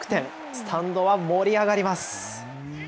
スタンドは盛り上がります。